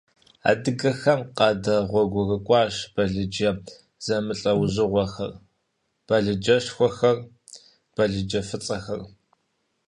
Адыгэхэм къадэгъуэгурыкӀуащ балыджэ зэмылӀэужьыгъуэхэр, балыджэшхуэр, балыджэфӀыцӀэр.